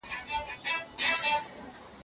هغه وويل چي احترام ضروري دی.